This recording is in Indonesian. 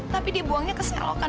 tapi dibuangnya ke selokan